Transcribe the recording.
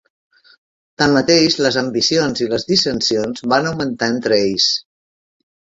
Tanmateix, les ambicions i les dissensions van augmentar entre ells.